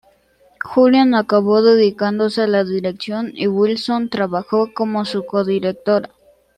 Julian acabó dedicándose a la dirección, y Wilson trabajó como su co-directora.